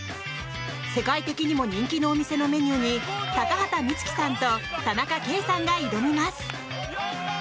世界的にも人気のお店のメニューに高畑充希さんと田中圭さんが挑みます。